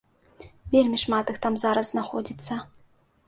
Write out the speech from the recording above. Вельмі шмат іх там зараз знаходзіцца.